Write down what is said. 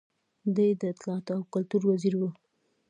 دی د اطلاعاتو او کلتور وزیر و.